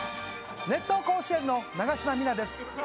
『熱闘甲子園』の長島三奈です。